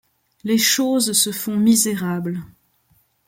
Les choses se font misérables